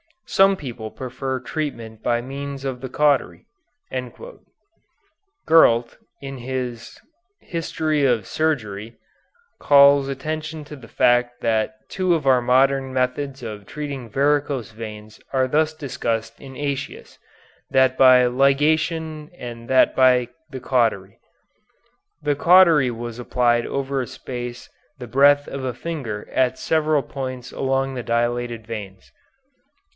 Some people prefer treatment by means of the cautery." Gurlt, in his "History of Surgery," calls attention to the fact that two of our modern methods of treating varicose veins are thus discussed in Aëtius, that by ligation and that by the cautery. The cautery was applied over a space the breadth of a finger at several points along the dilated veins.